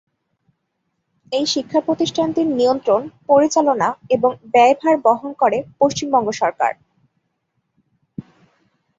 এই শিক্ষা প্রতিষ্ঠানটির নিয়ন্ত্রণ, পরিচালনা এবং ব্যয়ভার বহন করে পশ্চিমবঙ্গ সরকার।